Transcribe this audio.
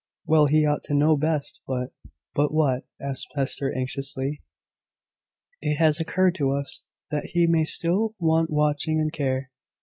"Well, he ought to know best; but " "But what?" asked Hester, anxiously. "It has occurred to us, that he may still want watching and care.